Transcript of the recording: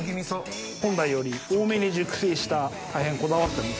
本来より多めに熟成した大変こだわった味噌です。